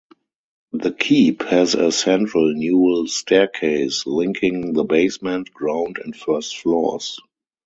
The keep has a central newel staircase, linking the basement, ground and first floors.